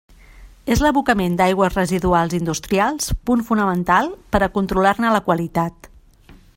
És l'abocament d'aigües residuals industrials punt fonamental per a controlar-ne la qualitat.